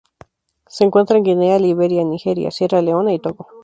Se encuentra en Guinea, Liberia, Nigeria, Sierra Leona y Togo.